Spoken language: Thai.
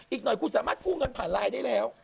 อีกหน่อยคุณสามารถกู้เงินผ่านไลน์ได้แล้ว